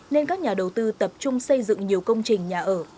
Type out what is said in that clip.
nên các nhà đầu tư tập trung xây dựng nhiều công trình nhà ở